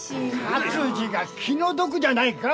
勝二が気の毒じゃないか？